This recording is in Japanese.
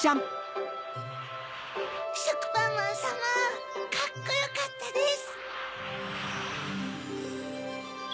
しょくぱんまんさまカッコよかったです。